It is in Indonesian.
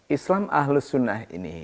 islam ahlus sunnah ini